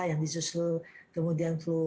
yang disusul kemudian flu